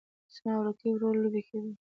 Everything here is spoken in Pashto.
زما وړوکی ورور لوبې کوي